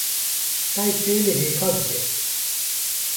Qey pêlê hêka dike